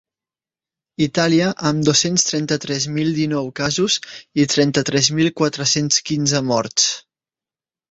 Itàlia, amb dos-cents trenta-tres mil dinou casos i trenta-tres mil quatre-cents quinze morts.